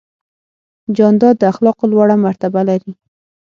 جانداد د اخلاقو لوړه مرتبه لري.